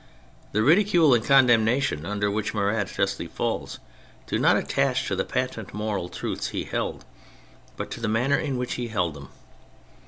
The ridicule and condemnation under which Marat justly falls do not attach to the patent moral truths he held, but to the manner in which he held them.